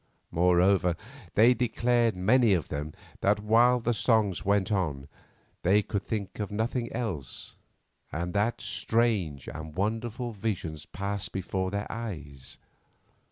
Moreover, they declared, many of them, that while the song went on they could think of nothing else, and that strange and wonderful visions passed before their eyes.